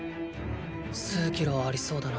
数キロはありそうだな。